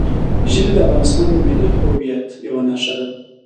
ژبې د افغانستان د ملي هویت یوه نښه ده.